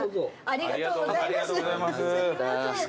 ありがとうございます。